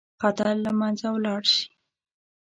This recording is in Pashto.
خطر له منځه ولاړ شي.